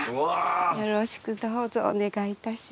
よろしくどうぞお願いいたします。